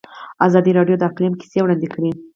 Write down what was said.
ازادي راډیو د اقلیم کیسې وړاندې کړي.